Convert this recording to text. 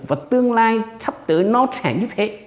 và tương lai sắp tới nó sẽ như thế